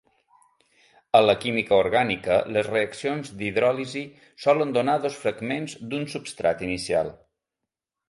En la química orgànica, les reaccions d'hidròlisi solen donar dos fragments d'un substrat inicial.